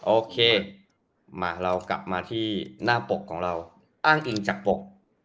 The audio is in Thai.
โอเคมาเรากลับมาที่หน้าปกของเราอ้างอิงจากปก